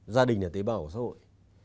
gia đình là tế bào của xã hội